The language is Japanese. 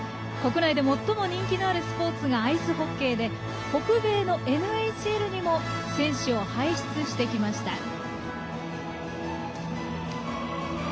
国内で最も人気のあるスポーツがアイスホッケーで北米のＮＨＬにも選手を輩出してきました。